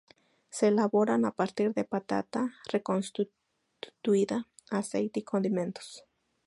Se elaboran a partir de patata reconstituida, aceite y condimentos.